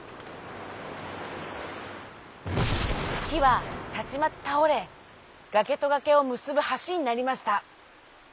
きはたちまちたおれがけとがけをむすぶはしになりました。